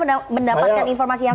anda mendapatkan informasi yang sama